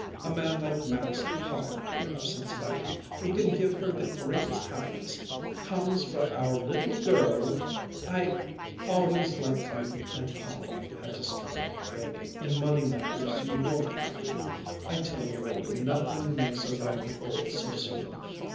A man like Max Hochenheimer, of Cincinnati, who can give her the greatest happiness, comes for our little girl " "I " "Always like me and papa had to struggle, Renie, in money matters you won't have to. I tell you, Renie, nothing makes a woman old so soon.